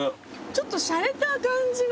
ちょっとしゃれた感じの。